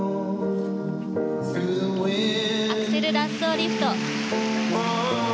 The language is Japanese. アクセルラッソーリフト。